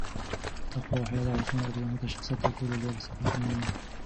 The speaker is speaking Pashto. تقوا او حیا د عثمان رض د شخصیت تر ټولو لوړ صفتونه وو.